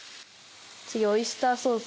「オイスターソース？」